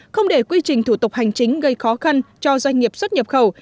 không để quy trình thủ tục hành chính gây khó khăn cho doanh nghiệp xuất nhập khẩu